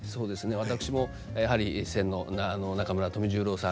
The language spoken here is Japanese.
私もやはり中村富十郎さん